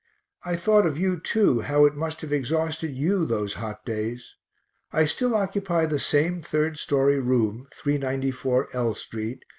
I thought of you too, how it must have exhausted you those hot days. I still occupy the same 3rd story room, 394 L st.